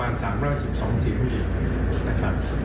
แต่ยังไข่ใหม่ที่จะเป็นเทอดไทยล่ะคะ